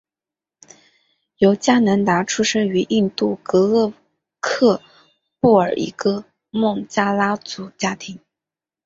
尤迦南达出生于印度戈勒克布尔一个孟加拉族家庭。